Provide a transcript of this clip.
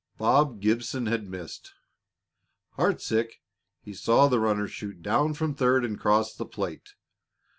Bob Gibson had missed! Heartsick, he saw the runner shoot down from third and cross the plate.